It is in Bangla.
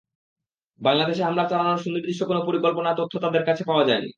বাংলাদেশে হামলা চালানোর সুনির্দিষ্ট কোনো পরিকল্পনার তথ্য তাঁদের কাছে পাওয়া যায়নি।